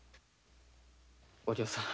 お涼さん